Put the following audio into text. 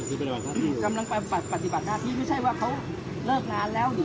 ตอนนี้กำหนังไปคุยของผู้สาวว่ามีคนละตบ